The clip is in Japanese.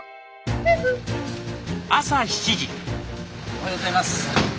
おはようございます。